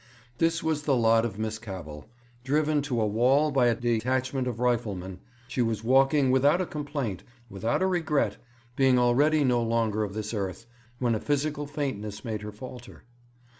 This was the lot of Miss Cavell; driven to a wall by a detachment of riflemen, she was walking without a complaint, without a regret, being already no longer of this earth, when a physical faintness made her falter.